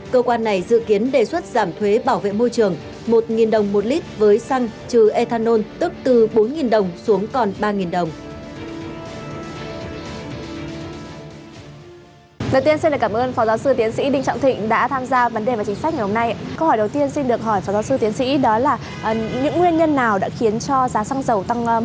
cơ quan này dự kiến đề xuất giảm thuế bảo vệ môi trường một đồng một lít với xăng trừ ethanol tức từ bốn đồng xuống còn ba đồng